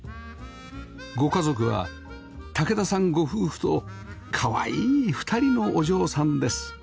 ご家族は武田さんご夫婦とかわいい２人のお嬢さんです